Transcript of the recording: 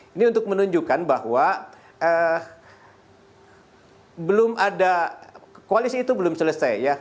ini untuk menunjukkan bahwa koalisi itu belum selesai ya